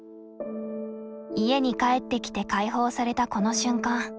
家に帰ってきて解放されたこの瞬間。